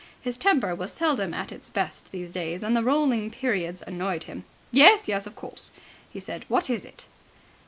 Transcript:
His temper was seldom at its best these days, and the rolling periods annoyed him. "Yes, yes, of course," he said. "What is it?"